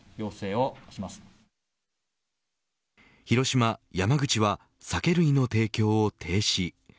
広島、山口は酒類の提供を停止。